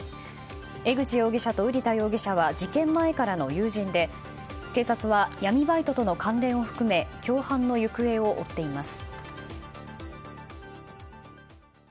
江口容疑者と瓜田容疑者は事件前からの友人で警察は闇バイトとの関連を含め共犯の行方を追っています。